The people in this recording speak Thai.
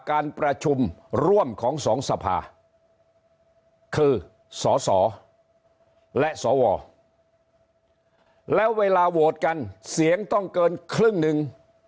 การประชุมร่วมของสองสภาคือสสและสวแล้วเวลาโหวตกันเสียงต้องเกินครึ่งหนึ่ง